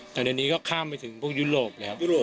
แต่ในนี้ก็ข้ามไปถึงพวกยุโรปแล้ว